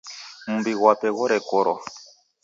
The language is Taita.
Mumbi ghwape ghorekorwa.